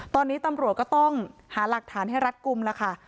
ตอนนี้ตำรวจก็ต้องหาหลักฐานให้รัฐกลุ่มแล้วค่ะ